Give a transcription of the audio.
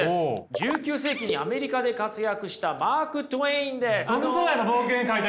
１９世紀にアメリカで活躍したマーク・トウェインです。